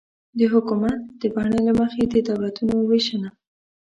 د حکومت د بڼې له مخې د دولتونو وېشنه